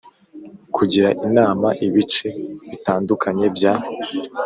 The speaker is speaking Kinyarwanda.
Kugira inama ibice bitandukanye bya